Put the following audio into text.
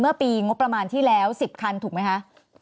เมื่อปีงบประมาณที่แล้ว๑๐คันถูกไหมคะ